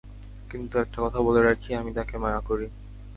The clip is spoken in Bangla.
কিন্তু একটা কথা বলে রাখি, আমি তাকে মায়া করি।